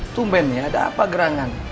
tumpen ya ada apa gerangan